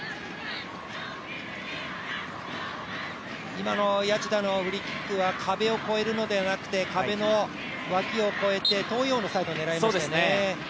今の谷内田のフリーキックは壁を越えるのではなくて壁の脇を超えて、遠い方のサイドを狙いましたよね。